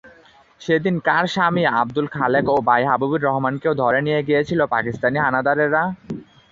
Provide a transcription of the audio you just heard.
সেদিন কার স্বামী আবদুল খালেক ও ভাই হাবিবুর রহমানকেও ধরে নিয়ে গিয়েছিল পাকিস্তানি হানাদারেরা?